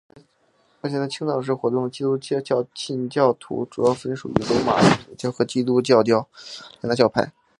目前在青岛市活动的基督教信徒群体主要分属于罗马天主教和基督教新教两大教派。